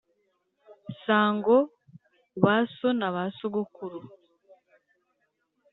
Sango, ba so na ba sogokuru,